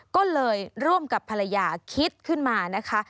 ก็เลยร่วมกับภรรยาคิดขึ้นมานะคะ